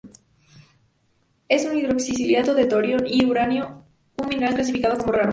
Es un hidroxi-silicato de torio y uranio, un mineral clasificado como raro.